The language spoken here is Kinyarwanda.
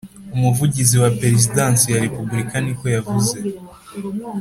umuvugizi wa Perezidansi ya Repubulika niko yavuze